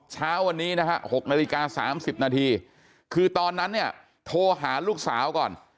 เช้าวันนี้นะฮะ๖นาฬิกา๓๐นาทีคือตอนนั้นเนี่ยโทรหาลูกสาวก่อน